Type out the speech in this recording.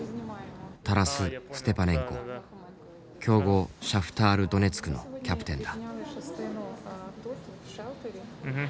強豪シャフタール・ドネツクのキャプテンだ。